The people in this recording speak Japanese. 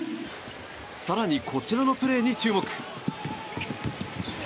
更にこちらのプレーに注目。